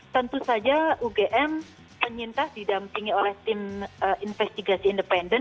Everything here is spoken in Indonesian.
tentu saja ugm penyintas didampingi oleh tim investigasi independen